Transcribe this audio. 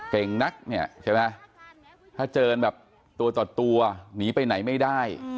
เก่งนักถ้าเจอตัวต่อตัวหนีไปไหนไม่ได้